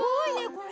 これ！